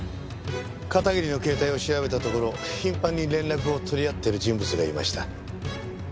片桐の携帯を調べたところ頻繁に連絡を取り合っている人物がいました。